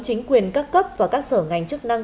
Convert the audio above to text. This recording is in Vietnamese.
chính quyền các cấp và các sở ngành chức năng